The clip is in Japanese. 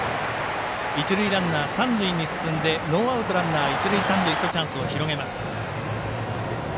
一塁ランナー、三塁に進んでノーアウトランナー、一塁三塁とチャンスを広げます。